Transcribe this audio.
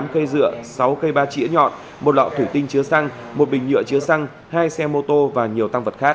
một mươi cây dựa sáu cây ba chỉa nhọn một lọ thủy tinh chứa xăng một bình nhựa chứa xăng hai xe mô tô và nhiều tăng vật khác